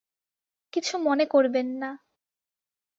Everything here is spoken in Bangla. কিছু মনে করবেন না।